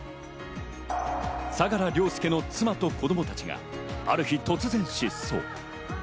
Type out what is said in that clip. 相良凌介の妻と子供たちがある日、突然失踪。